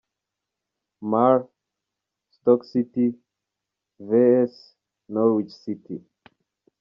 Mar, Stoke City vs Norwich City.